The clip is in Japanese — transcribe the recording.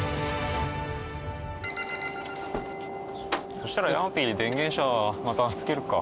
そしたら山ピー電源車またつけるか。